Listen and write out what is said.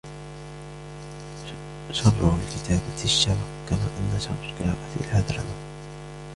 شَرُّ الْكِتَابَةِ الشَّبَقُ كَمَا أَنَّ شَرَّ الْقِرَاءَةِ الْهَذْرَمَةُ